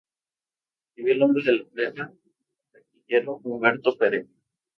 Recibió el nombre del atleta barranquillero Humberto Perea.